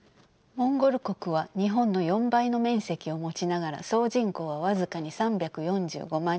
モンゴル国は日本の４倍の面積を持ちながら総人口は僅かに３４５万人です。